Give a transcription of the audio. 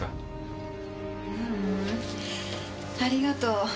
ううんありがとう。